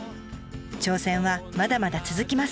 挑戦はまだまだ続きます。